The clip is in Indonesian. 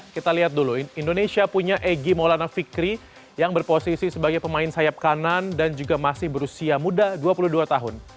kita lihat dulu indonesia punya egy maulana fikri yang berposisi sebagai pemain sayap kanan dan juga masih berusia muda dua puluh dua tahun